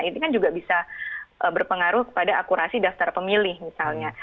itu juga bisa berpengaruh pada akurasi daftar pemilih misalnya